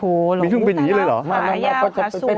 โอ้โฮหลงอุตสาหรับขายาวขาสวย